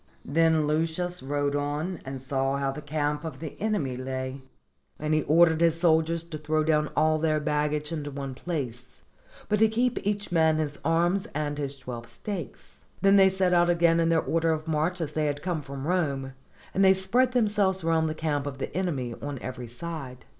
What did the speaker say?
Then Lucius rode on and saw how the camp of the enemy lay; and he ordered his soldiers to throw down all their baggage into one place, but to keep each man his arms and his twelve stakes. Then they set out again in their order of march as they had come from Rome, and they spread themselves round the camp of the enemy on every side.